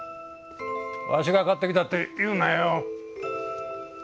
わしが買ってきたって言うなよ。